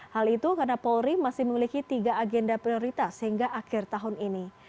hal itu karena polri masih memiliki tiga agenda prioritas hingga akhir tahun ini